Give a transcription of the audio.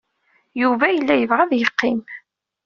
Yuba yella yebɣa ad yeqqim.